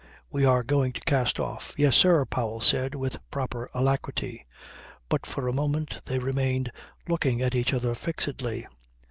We are going to cast off." "Yes, sir," Powell said with proper alacrity; but for a moment they remained looking at each other fixedly.